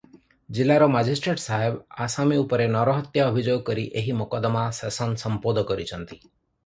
ଜିଲ୍ଲାର ମାଜିଷ୍ଟ୍ରେଟ ସାହେବ ଆସାମୀ ଉପରେ ନରହତ୍ୟା ଅଭିଯୋଗ କରି ଏହି ମକଦ୍ଦମା ସେସନ୍ ସମ୍ପୋଦ କରିଛନ୍ତି ।